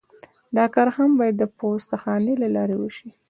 دا کار هم باید د پوسته خانې له لارې وشي